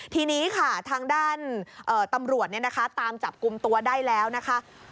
ทีนี้ค่ะทางด้านตำรวจตามจับกลุ่มตัวได้แล้วนะคะ